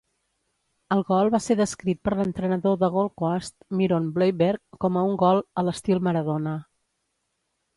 El gol va ser descrit per l'entrenador de Gold Coast, Miron Bleiberg, com un gol "a l'estil Maradona".